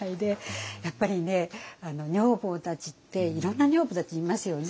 やっぱりね女房たちっていろんな女房たちいますよね。